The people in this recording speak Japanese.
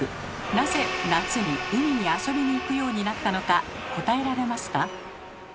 なぜ夏に海に遊びに行くようになったのか答えられますか？